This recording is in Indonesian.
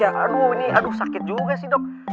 aduh ini aduh sakit juga sih dok